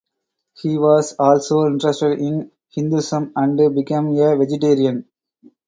He was also interested in Hinduism and became a vegetarian.